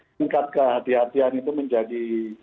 tingkat kehatian itu menjadi